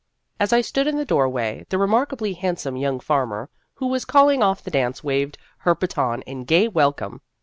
As I stood in the doorway the remarkably handsome young farmer who was calling off the dance waved her baton in gay welcome.